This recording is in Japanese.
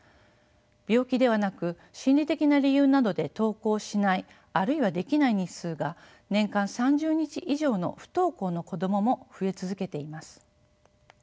病気ではなく心理的な理由などで登校しないあるいはできない日数が年間３０日以上の不登校の子どもも増え続けています。